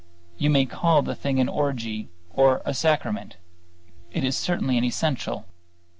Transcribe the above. You may call the thing an orgy or a sacrament; it is certainly an essential.